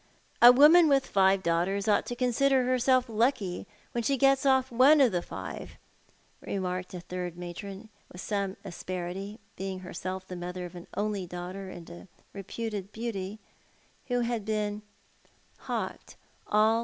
" A woman with five daughters ought to consider herself lucky when she gets off one of the five," remarked a third matron, with some asperity, being herself the mother of an only daughter and reputed beauty, who had been hawked all D 34 Tho2L art the Man.